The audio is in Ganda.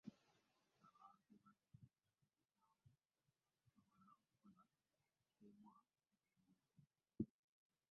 abantu baddiza ddala emisango okusobola okufuna emitemwa gy'enguzi.